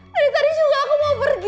dari tadi juga aku mau pergi